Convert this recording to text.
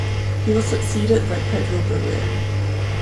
He was succeeded by Pedro Barriere.